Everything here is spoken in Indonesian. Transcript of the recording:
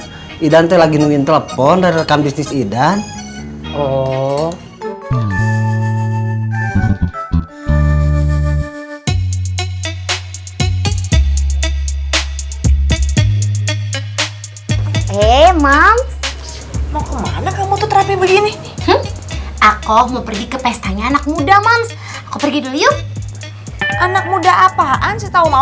gidan ceng lagi nungguin telepon dari rekam bisnis gidan